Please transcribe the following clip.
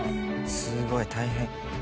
「すごい大変」